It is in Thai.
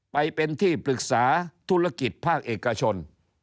ไปเป็นที่ปรึกษาธุรกิจภาคเอกชน